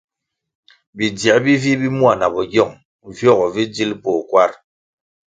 Bidziē bi vih bi mua na bogyong viogo vi dzil poh makwar.